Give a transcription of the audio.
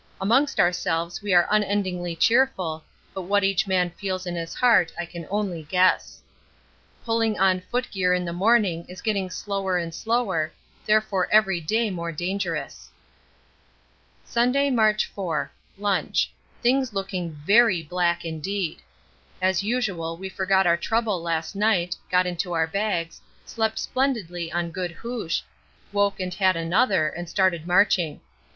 Amongst ourselves we are unendingly cheerful, but what each man feels in his heart I can only guess. Pulling on foot gear in the morning is getter slower and slower, therefore every day more dangerous. Sunday, March 4. Lunch. Things looking very black indeed. As usual we forgot our trouble last night, got into our bags, slept splendidly on good hoosh, woke and had another, and started marching.